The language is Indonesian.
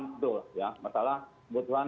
betul masalah kebutuhan